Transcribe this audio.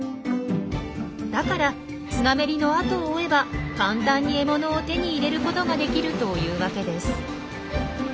だからスナメリの後を追えば簡単に獲物を手に入れることができるというわけです。